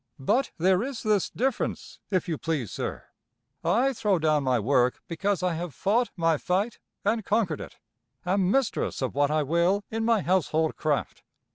But there is this difference, if you please, sir; I throw down my work because I have fought my fight and conquered it, am mistress of what I will in my household craft.